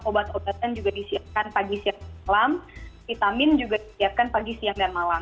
obat obatan juga disiapkan pagi siang malam vitamin juga disiapkan pagi siang dan malam